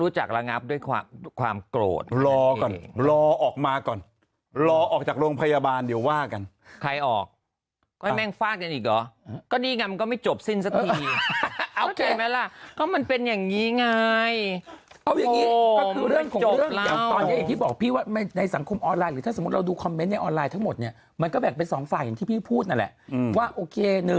จากโรงพยาบาลเดี๋ยวว่ากันใครออกก็ให้แม่งฟากกันอีกหรอก็ดีกันมันก็ไม่จบสิ้นสักทีโอเคไหมล่ะก็มันเป็นอย่างงี้ไงเอาอย่างงี้ก็คือเรื่องของเรื่องอย่างตอนนี้อีกที่บอกพี่ว่าในสังคมออนไลน์หรือถ้าสมมุติเราดูคอมเม้นต์ในออนไลน์ทั้งหมดเนี้ยมันก็แบ่งเป็นสองฝ่ายอย่างที่พี่พูดนั่นแห